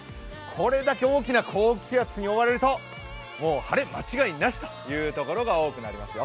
これだけ大きな高気圧に覆われるともう、晴れ、間違いなしという所が多くなりますよ。